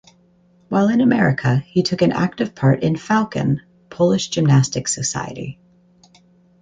While in America he took an active part in "Falcon" Polish Gymnastic Society.